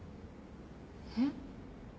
えっ？